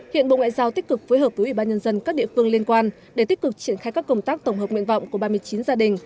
hiện bộ ngoại giao tích cực phối hợp với ủy ban nhân dân các địa phương liên quan để tích cực triển khai các công tác tổng hợp nguyện vọng của ba mươi chín gia đình